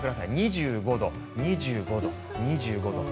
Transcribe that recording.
２５度、２５度、２５度。